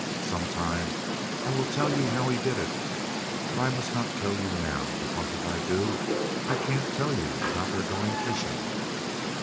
Some time I will tell you how he did it; but I must not tell you now, because if I do, I can't tell you about their going fishing.